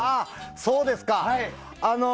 そうですか。